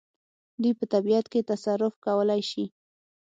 دوی په طبیعت کې تصرف کولای شي.